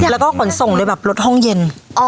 แล้วก่อนส่งด้วยแบบรถห้องเย็น